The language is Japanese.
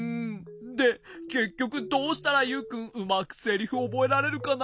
でけっきょくどうしたらユウくんうまくセリフおぼえられるかな？